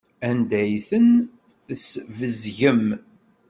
Anda ay ten-tesbezgem?